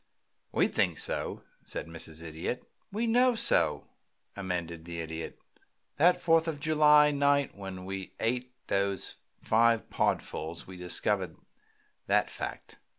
"We think so," said Mrs. Idiot. "We know so," amended the Idiot. "That Fourth of July night when we ate those five podfuls we discovered that fact.